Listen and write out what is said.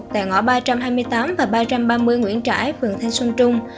tại ngõ ba trăm hai mươi tám và ba trăm ba mươi nguyễn trãi phường thanh xuân trung